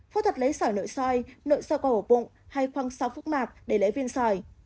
phẫu thuật lấy sỏi nội sỏi nội sỏi qua hổ bụng hay khoang sau phúc mạc để lấy viên sỏi